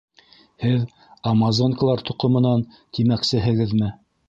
Һеҙ... амазонкалар тоҡомонан тимәксеһегеҙме?